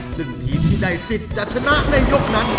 ซึ่งทีมที่ได้สิทธิ์จะชนะในยกนั้น